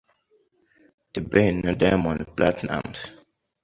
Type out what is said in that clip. The Ben na Diamond Platnumz